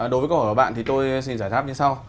đối với câu hỏi của bạn thì tôi xin giải tháp như sau